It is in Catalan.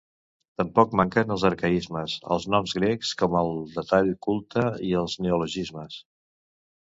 Tampoc manquen els arcaismes, els noms grec com a detall culte i els neologismes.